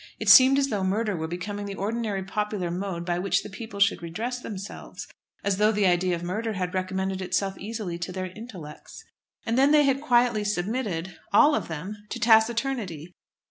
It seemed as though murder were becoming the ordinary popular mode by which the people should redress themselves, as though the idea of murder had recommended itself easily to their intellects. And then they had quietly submitted all of them to taciturnity.